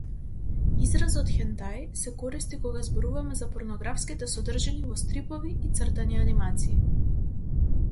Изразот хентаи се користи кога зборуваме за порнографските содржини во стрипови и цртани анимации.